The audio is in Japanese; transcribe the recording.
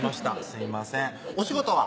すいませんお仕事は？